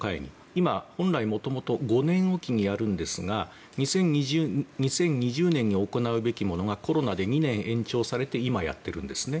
今、本来もともと５年おきにやるんですが２０２０年に行うべきものがコロナで２年延長されて今、やっているんですね。